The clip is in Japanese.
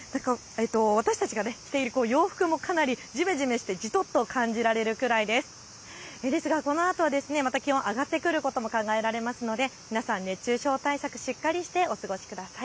私たちが着ている洋服もかなりじめじめとしてじとっと感じられるくらいですがこのあとまた気温上がってくることも考えられますので皆さん熱中症も対策しっかりしてお過ごしください。